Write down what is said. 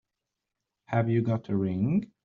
Have you got a ring?